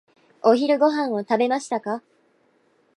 お昼ご飯を食べましたか？